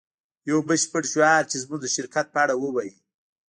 یو بشپړ شعار چې زموږ د شرکت په اړه ووایی